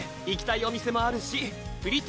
行きたいお店もあるし